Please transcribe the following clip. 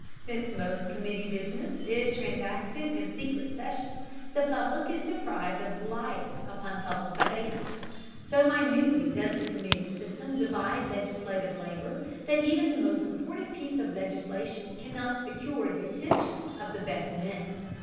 Since most committee business is transacted in secret session, the public is deprived of light upon public affairs. So minutely does the committee system divide legislative labor that even the most important piece of legislation cannot secure the attention of the best men.